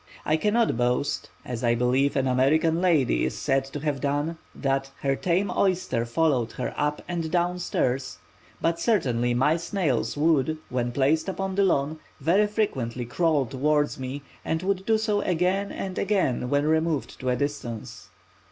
I cannot boast, as I believe an American lady is said to have done, that "her tame oysters followed her up and down stairs," but certainly my snails would, when placed upon the lawn, very frequently crawl towards me, and would do so again and again when removed to a distance.